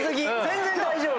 全然大丈夫。